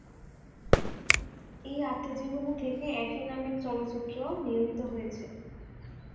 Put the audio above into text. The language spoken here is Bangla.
এই আত্মজীবনী থেকে "একই নামের চলচ্চিত্র" নির্মিত হয়েছে।